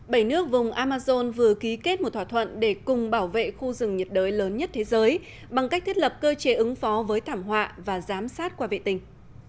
bảy nước vùng amazon vừa ký kết một thỏa thuận để cùng bảo vệ khu rừng nhiệt đới lớn nhất thế giới bằng cách thiết lập cơ chế ứng phó với thảm họa và giám sát qua vệ tình